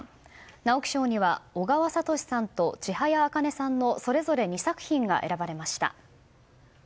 直木賞には小川哲さんと千早茜さんのそれぞれ２作品が選ばれました。